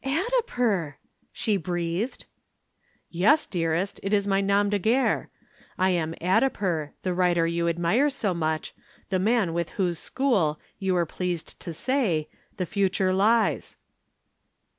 "Addiper!" she breathed. "Yes, dearest, it is my nom de guerre. I am Addiper, the writer you admire so much, the man with whose school, you were pleased to say, the future lies."